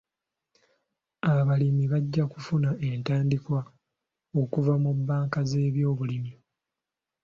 Abalimi bajja kufuna entandikwa okuva mu bbanka z'ebyobulimi.